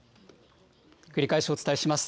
繰り返しお伝えします。